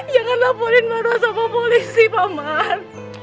jangan laporin marwa sama polisi pak man